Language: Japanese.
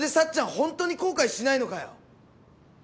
ほんとに後悔しないのかよ。